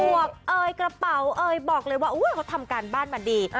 บวกเกราะเป๋าบอกเลยว่าเขาทำการบ้านมาดี